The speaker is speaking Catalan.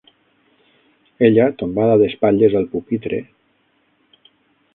Ella, tombada d'espatlles al pupitre